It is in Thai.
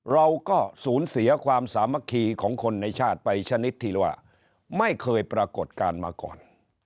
เราก็สูญเสียความสามัคคีของคนในชาติไปชนิดที่ว่าไม่เคยปรากฏการณ์มาก่อน